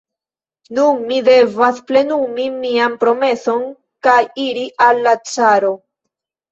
Nun mi devas plenumi mian promeson, kaj iri al la caro.